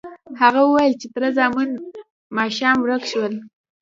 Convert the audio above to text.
هغه وویل چې تره زامن ماښام ورک شول.